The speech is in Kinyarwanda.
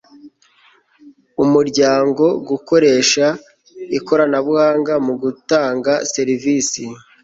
umuryango, gukoresha ikoranabunga mu gutanga serivisi